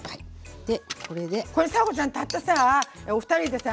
これ佐和子ちゃんたったさぁおふたりでさ